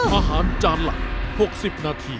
อาหารจานหลักหกสิบนาที